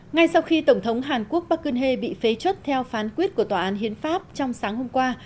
ngay sau khi tổng thống hàn quốc park geun hye bị phế chốt theo phán quyết của tòa án hiến pháp trong sáng hôm qua